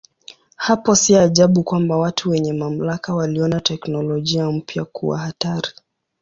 Hapo si ajabu kwamba watu wenye mamlaka waliona teknolojia mpya kuwa hatari.